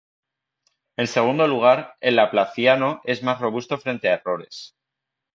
En segundo lugar, el laplaciano es más robusto frente a errores.